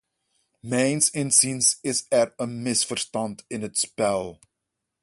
Mijns inziens is er een misverstand in het spel.